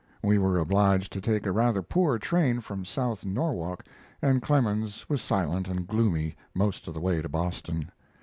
We were obliged to take a rather poor train from South Norwalk, and Clemens was silent and gloomy most of the way to Boston.